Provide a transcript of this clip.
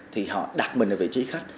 thì họ đặt mình ở vị trí khách